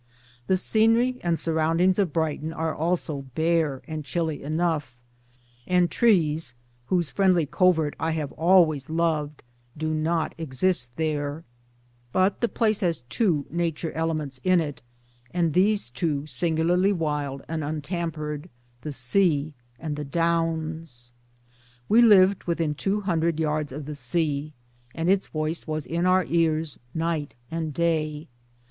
The scenery and surroundings of Brighton are also bare and chilly enough ; and trees, whose friendly covert I have always loved, do not exist there ; but the place has two Nature elements in it and these two singu larly wild and untampered the Sea and the Downs. We lived within two hundred yards of the sea, and its voice was in our ears night and day.